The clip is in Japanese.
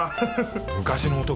「昔の男」